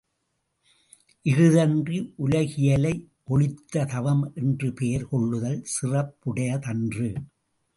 இஃதன்றி உலகியலை ஒழித்த தவம் என்று பெயர் கொள்ளுதல் சிறப்புடையதன்று.